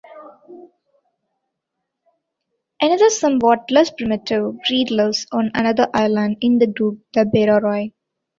Another somewhat less primitive breed lives on another island in the group, the Boreray.